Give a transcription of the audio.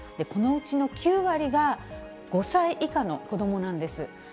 このうちの９割が、５歳以下の子どもなんです。